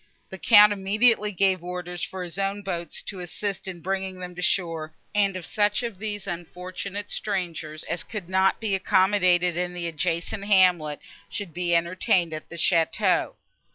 The Count immediately gave orders for his own boats to assist in bringing them to shore, and that such of these unfortunate strangers as could not be accommodated in the adjacent hamlet should be entertained at the château.